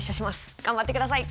頑張ってください。